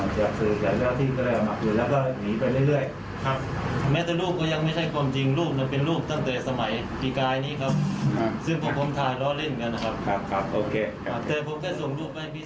จากสื่อจากเจ้าหน้าที่ก็เลยเอามาคืนแล้วก็หนีไปเรื่อย